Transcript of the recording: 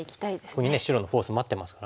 ここにね白のフォース待ってますからね。